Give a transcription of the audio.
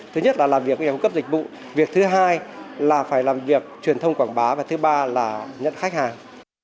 thứ nhất là làm việc nhà cung cấp dịch vụ việc thứ hai là phải làm việc truyền thông quảng bá và thứ ba là nhận khách hàng